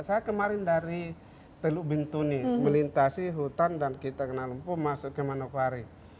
saya kemarin dari teluk bintuni melintasi hutan dan kita kenal lempo masuk ke manokwari